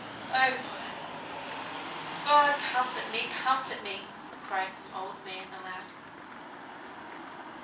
Oh, my God! comfort me, comfort me!" cried the old man aloud.